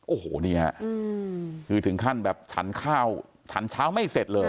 โอ้โหนี่ฮะคือถึงขั้นแบบฉันข้าวฉันเช้าไม่เสร็จเลย